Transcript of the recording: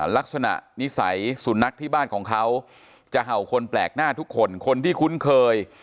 ลักษณะนิสัยสุนัขที่บ้านของเขาจะเห่าคนแปลกหน้าทุกคนคนที่คุ้นเคย